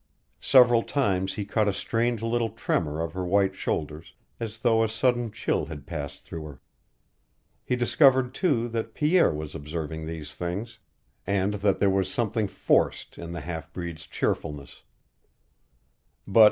Several times he caught a strange little tremor of her white shoulders, as though a sudden chill had passed through her. He discovered, too, that Pierre was observing these things, and that there was something forced in the half breed's cheerfulness.